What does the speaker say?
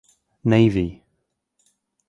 Navy.